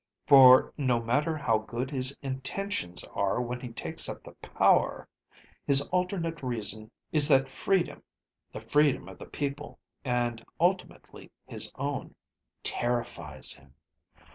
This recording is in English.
For no matter how good his intentions are when he takes up the power, his alternate reason is that freedom, the freedom of the people and ultimately his own, terrifies him.